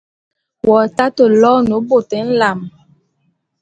W'atate loene bôt nlam.